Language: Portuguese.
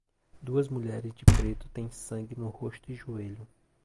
Duas mulheres de preto têm sangue no rosto e joelho